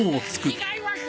違います。